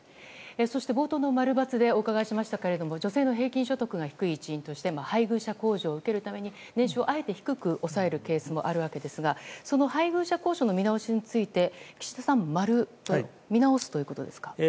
冒頭の〇×でお伺いしましたが女性の平均所得が低い一因として配偶者控除を受けるために年収をあえて低く抑えるケースもあるわけですがその配偶者控除の見直しについて、岸田さんは〇で見直すということですか。